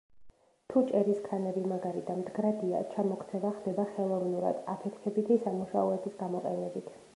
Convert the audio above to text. თუ ჭერის ქანები მაგარი და მდგრადია, ჩამოქცევა ხდება ხელოვნურად, აფეთქებითი სამუშაოების გამოყენებით.